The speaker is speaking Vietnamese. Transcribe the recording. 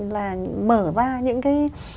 là mở ra những cái